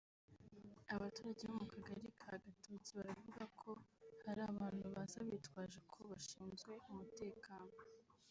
Abaturage bo mu kagari ka Gatoki baravuga ko hari abantu baza bitwaje ko bashinzwe umutekano